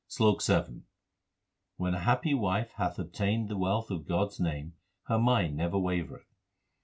SLOK VII When a happy wife hath obtained the wealth of God s name, her mind never wavereth.